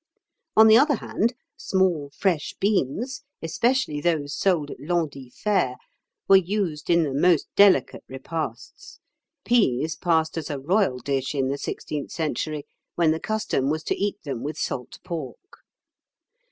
On the other hand, small fresh beans, especially those sold at Landit fair, were used in the most delicate repasts; peas passed as a royal dish in the sixteenth century, when the custom was to eat them with salt pork.